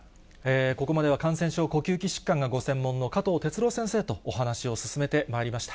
ここまでは感染症、呼吸器疾患がご専門の加藤哲朗先生とお話を進めてまいりました。